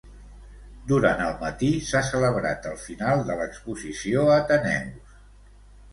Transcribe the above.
Durant el matí s'ha celebrat el final de l'exposició Ateneus.